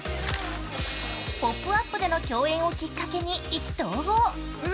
「ポップＵＰ！」での共演をきっかけに意気投合。